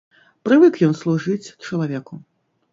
Прывык ён служыць чалавеку.